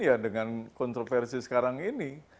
ya dengan kontroversi sekarang ini